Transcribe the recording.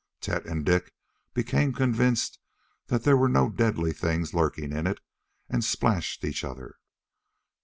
Tet and Dik became convinced that there were no deadly things lurking in it, and splashed each other.